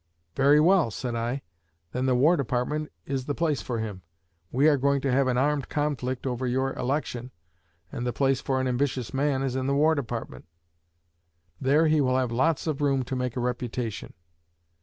'Very well,' said I, 'then the War Department is the place for him. We are going to have an armed conflict over your election, and the place for an ambitious man is in the War Department. There he will have lots of room to make a reputation.'